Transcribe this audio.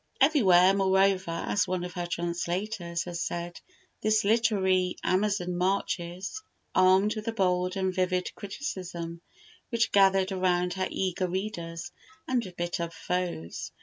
Everywhere, moreover, as one of her translators has said, this literary Amazon marches, armed with a bold and vivid criticism, which gathered around her eager readers and bitter foes.